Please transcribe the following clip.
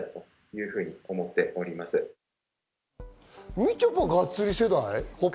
みちょぱ、がっつり世代？